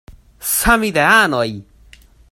Samideanoj!